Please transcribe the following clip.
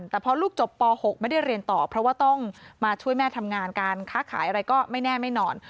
แต่พอลูกจบป๖ไม่ได้เรียนต่อเพราะว่าต้องมาช่วยแม่ทำงานการค้าขายอะไรก็ไม่แน่ไม่นอน